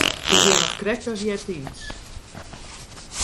It is hjir noch krekt as eartiids.